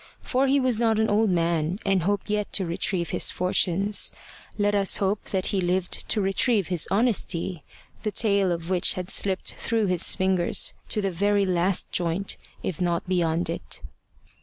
For he was not an old man, and hoped yet to retrieve his fortunes. Let us hope that he lived to retrieve his honesty, the tail of which had slipped through his fingers to the very last joint, if not beyond it.